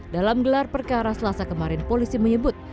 dalam gelar perkara selasa kemarin polisi menyebut